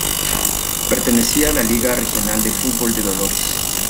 Pertenecía a la Liga Regional de Fútbol de Dolores.